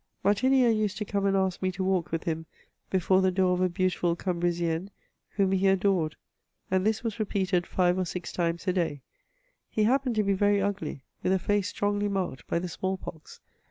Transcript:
Martini^re used to come and ask me to walk with him before the door of a beautiful Cambrisienne whom he adored ; and this was repeated five or six times a day. He happened to be very ugly, with a face strongly marked by the small pox.